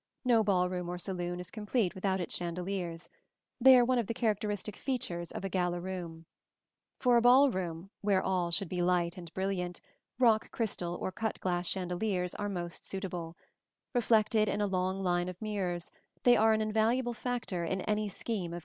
No ball room or saloon is complete without its chandeliers: they are one of the characteristic features of a gala room (see Plates V, XIX, XXXIV, XLIII, XLV, L). For a ball room, where all should be light and brilliant, rock crystal or cut glass chandeliers are most suitable: reflected in a long line of mirrors, they are an invaluable factor in any scheme of gala decoration.